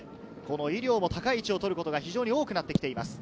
井料も高い位置を取ることが非常に多くなっています。